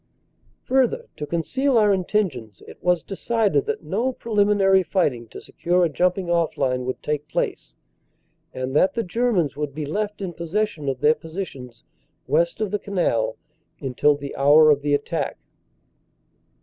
"Further to conceal our intentions, i< was decided that no preliminary fighting to secure a jumping off line would take place, and that the Germans would be left in possession of their positions west of the Canal until the hour of the attack.